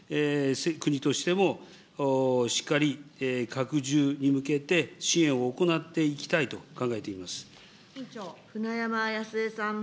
国としてもしっかり拡充に向けて、支援を行っていきたいと考えてい舟山康江さん。